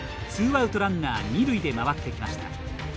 ツーアウト、ランナー、二塁で回ってきました。